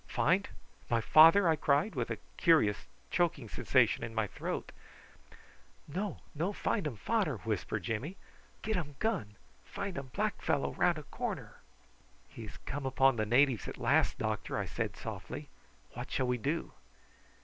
"Find? My father?" I cried, with a curious choking sensation in my throat. "No; no findum fader," whispered Jimmy. "Get um gun. Findum black fellow round a corner." "He has come upon the natives at last, doctor," I said softly. "What shall we do?"